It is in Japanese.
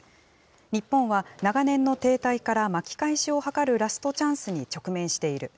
日本は長年の停滞から巻き返しを図るラストチャンスに直面している。